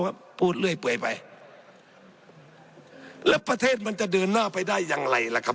พูดเรื่อยเปื่อยไปแล้วประเทศมันจะเดินหน้าไปได้อย่างไรล่ะครับ